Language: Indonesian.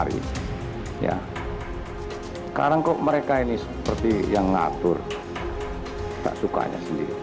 itu perintah saya